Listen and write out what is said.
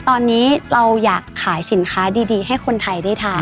ตอนนี้เราอยากขายสินค้าดีให้คนไทยได้ทาน